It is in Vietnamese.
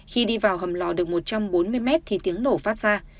khi đi vào hầm lò được một trăm bốn mươi mét thì tiếng nổ phát ra